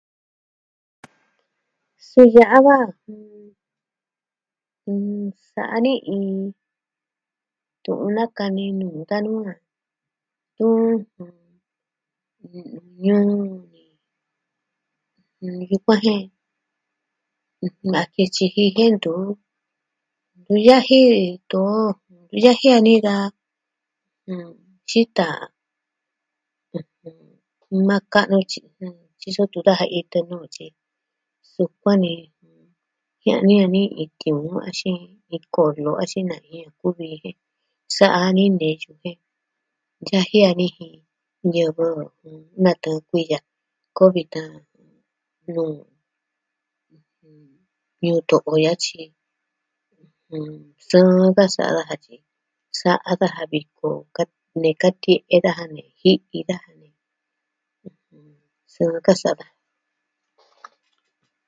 Suu ya'a va jɨn... sa'a ni iin tu'un nakani nuu danu, nn... a tun ni... yukuan jen... a kivɨ tyiji jen ntu... ntu yaji ntu... ntu yaji dani da... mm... xita maa ka'nu tyu'un tun daja... itɨ nuu tyi sukuan ni, jia'ni dani iin tiuun axin iin kolo axin na iin a kuvi ji jen sa'a dani neyu jen yaji dani jin ñivɨ natɨɨn kuiya koo vitan... mm... nuu ñuu to'o ya'a tyi. Sɨɨn ka sa'a daja tyi sa'a daja viko, ka... nee katie'e daja nee ji'i daja sɨɨn ka sa'a daja.